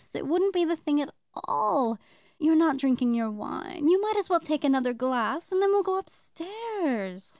It wouldn't be the thing at all. You're not drinking your wine. You might as well take another glass, and then we'll go up stairs."